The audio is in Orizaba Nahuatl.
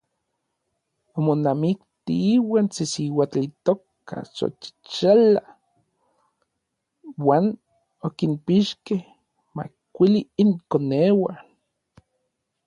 Omonamikti iuan se siuatl itoka Xochixala uan okinpixkej makuili inkoneuan.